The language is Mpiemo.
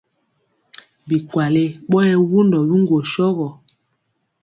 Bikwale ɓɔ yɛ wundɔ biŋgwo sɔrɔ.